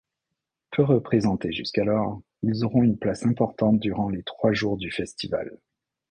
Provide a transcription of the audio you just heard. Peu représentés jusqu’alors, ils auront une place importante durant les trois jours du Festival.